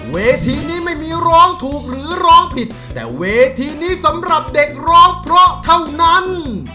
เวทีนี้ไม่มีร้องถูกหรือร้องผิดแต่เวทีนี้สำหรับเด็กร้องเพราะเท่านั้น